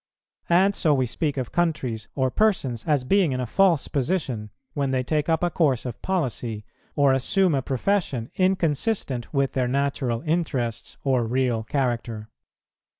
And so we speak of countries or persons as being in a false position, when they take up a course of policy, or assume a profession, inconsistent with their natural interests or real character.